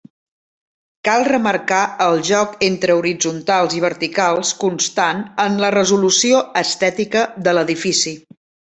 Cal remarcar el joc entre horitzontals i verticals constant en la resolució estètica de l'edifici.